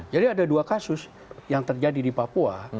jadi ada dua kasus yang terjadi di papua